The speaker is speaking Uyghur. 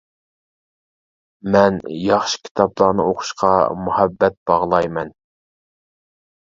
مەن ياخشى كىتابلارنى ئوقۇشقا مۇھەببەت باغلايمەن.